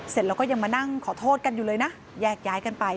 เสร็จแล้วก็ยังมานั่งขอโทษกันอยู่เลยนะแยกย้ายกันไป